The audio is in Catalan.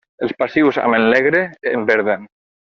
Els passius, amb el negre, en perden.